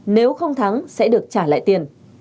nếu không thắng sẽ được trả lại tiền